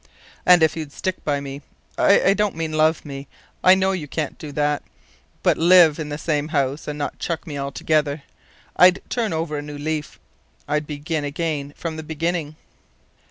"And if you'd stick by me I don't mean love me; I know you can't do that; but live in the same house and not chuck me altogether, I'd turn over a new leaf. I'd begin again from the beginning.